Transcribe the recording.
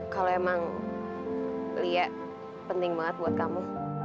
kalau emang lia penting banget buat kamu